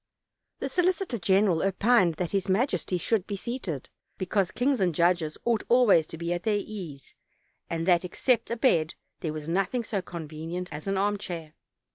The solicitor general opined that his majesty should be seated, because kings and judges ought always to be at their ease, and that, except a bed, there was nothing so convenient as an armchair.